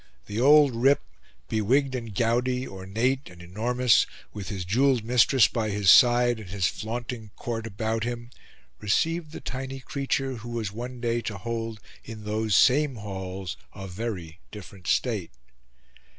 The old rip, bewigged and gouty, ornate and enormous, with his jewelled mistress by his side and his flaunting court about him, received the tiny creature who was one day to hold in those same halls a very different state.